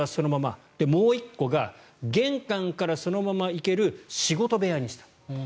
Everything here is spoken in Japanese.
そしてもう１個は玄関からそのまま行ける仕事部屋にした。